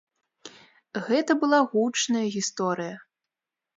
Гэта была гучная гісторыя.